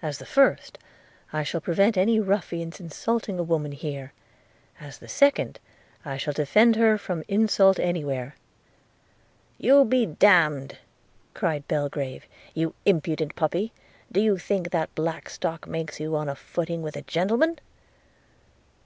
As the first, I shall prevent any ruffian's insulting a woman here; as the second, I shall defend her from insult any where.' – 'You be d – d!' cried Belgrave; 'you impudent puppy, do you think that black stock makes you on a footing with a gentleman?'